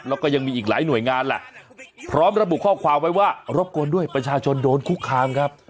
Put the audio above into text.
แล้วก็ยังมีอีกหลายหน่วยงานแหละพร้อมระบุข้อความไว้ว่ารบกวนด้วยประชาชนโดนคุกคามครับ